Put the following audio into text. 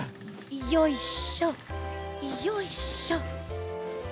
よいしょよいしょ。